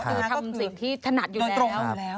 คือทำสิ่งที่ถนัดอยู่แล้ว